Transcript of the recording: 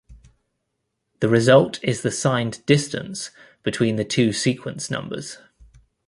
The result is the signed "distance" between the two sequence numbers.